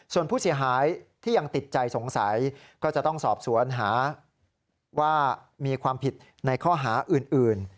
ส่วนผู้เสียหายที่ยังติดใจสงสัยก็จะต้องสอบสวนหาว่ามีความผิดในข้อหาอื่น